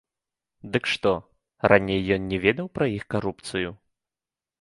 Дык што, раней ён не ведаў пра іх карупцыю?